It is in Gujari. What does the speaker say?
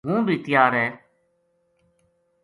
ہوں بی تیار ہے‘‘